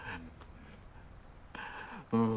うん。